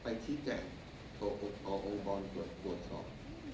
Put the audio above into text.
ไปที่แก่งต่อองค์บรรณกรวดสอบ